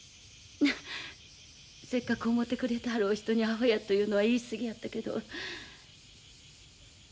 せっかく想うてくれてはるお人にアホやというのは言い過ぎやったけど。